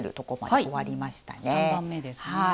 はい３番目ですね。